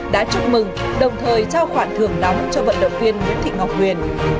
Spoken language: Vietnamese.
đã chúc mừng đồng thời trao khoản thưởng nóng cho vận động viên nguyễn thị ngọc huyền